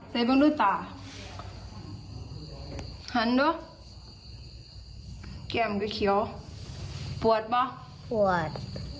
หันดูแก่มก็เขียวปวดป่ะปวด